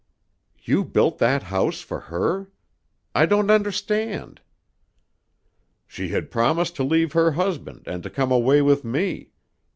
"You built that house for her? I don't understand." "She had promised to leave her husband and to come away with me.